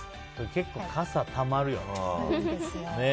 結構、傘たまるよね。